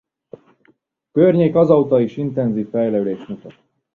A környék azóta is intenzív fejlődést mutat.